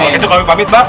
begitu kami pamit pak